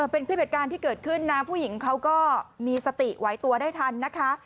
เป็นคลิปเหตุการณ์ที่เกิดขึ้นนะผู้หญิงเขาก็มีสติไหวตัวได้ทันนะคะ